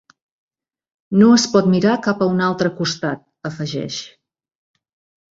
No es pot mirar cap a un altre costat, afegeix.